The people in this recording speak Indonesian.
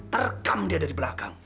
terkam dia dari belakang